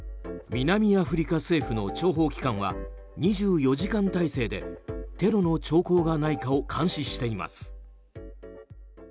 南アフリカ政府の諜報機関は２４時間態勢でテロの兆候がないかを監視しています。